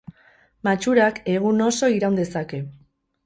Matxurak egun oso iraun dezake.